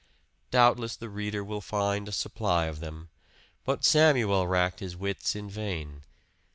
Doubtless the reader will find a supply of them, but Samuel racked his wits in vain.